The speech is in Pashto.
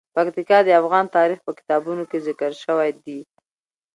پکتیکا د افغان تاریخ په کتابونو کې ذکر شوی دي.